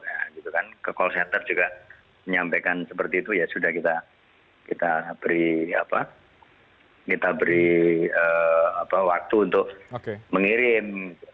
nah gitu kan ke call center juga menyampaikan seperti itu ya sudah kita beri waktu untuk mengirim